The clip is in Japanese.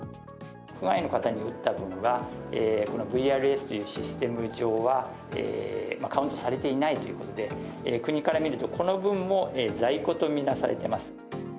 前の方に打った分はＶＲＳというシステム上はカウントされていないということで国から見るとこの分も在庫とみなされてます。